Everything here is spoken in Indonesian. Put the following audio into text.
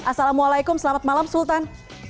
assalamualaikum selamat malam sultan